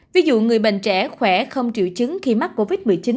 ví dụ người bệnh trẻ khỏe không triệu chứng khi mắc covid một mươi chín